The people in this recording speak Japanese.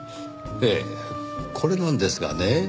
ええこれなんですがね。